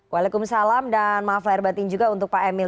waalaikumsalam dan maaflahir batin juga untuk pak emil